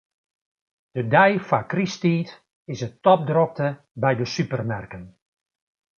De dei foar krysttiid is it topdrokte by de supermerken.